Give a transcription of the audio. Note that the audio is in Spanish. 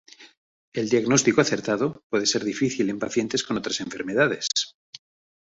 El diagnóstico acertado puede ser difícil en pacientes con otras enfermedades.